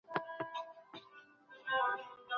هم اېرانیانو پر مخ وهلي